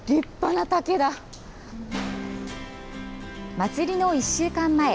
まつりの１週間前。